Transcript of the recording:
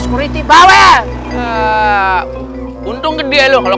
kita tau lagi ini anak anak